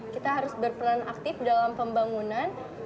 kita harus berperan aktif dalam pembangunan